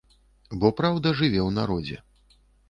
Бо праўда жыве ў народзе.